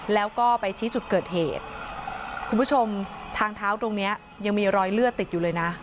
แล้วก็ไปชี้จุดเกิดเหตุคุณผู้ชมทางเท้าตรงเนี้ยยังมีรอยเลือดติดอยู่เลยนะ